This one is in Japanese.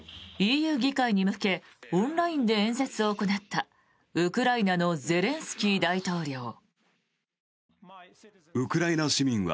ＥＵ議会に向け、オンラインで演説を行ったウクライナのゼレンスキー大統領。